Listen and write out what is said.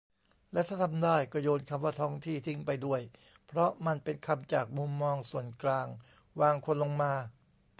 และถ้าทำได้ ก็โยนคำว่า "ท้องที่" ทิ้งไปด้วย เพราะมันเป็นคำจากมุมมองส่วนกลางวางคนลงมา